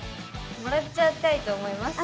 もらっちゃいたいと思います。